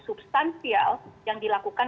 substansial yang dilakukan